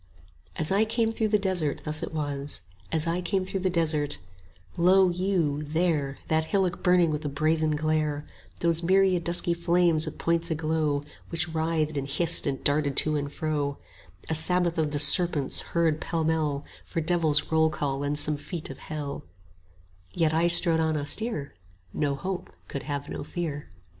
As I came through the desert thus it was, 25 As I came through the desert: Lo you, there, That hillock burning with a brazen glare; Those myriad dusky flames with points a glow Which writhed and hissed and darted to and fro; A Sabbath of the Serpents, heaped pell mell 30 For Devil's roll call and some fete of Hell: Yet I strode on austere; No hope could have no fear.